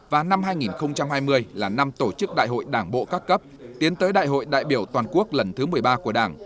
và năm hai nghìn hai mươi là năm tổ chức đại hội đảng bộ các cấp tiến tới đại hội đại biểu toàn quốc lần thứ một mươi ba của đảng